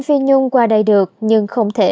phi nhung qua đây được nhưng không thể